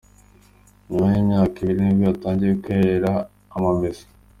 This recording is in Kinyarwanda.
Nyuma y’imyaka ibiri nibwo yatangiye kwera amamesa.